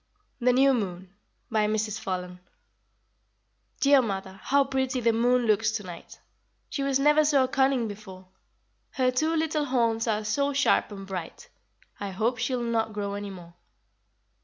"'" THE NEW MOON. BY MRS. FOLLEN. Dear mother, how pretty The moon looks to night! She was never so cunning before; Her two little horns Are so sharp and bright, I hope she'll not grow any more.